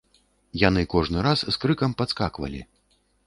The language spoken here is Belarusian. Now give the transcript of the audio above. Яны кожны раз з крыкам падскаквалі.